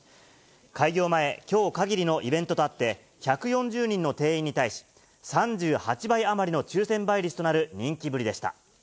開業前、きょうかぎりのイベントとあって、１４０人の定員に対し、３８倍余りの抽せん倍率となる人気ぶりでした。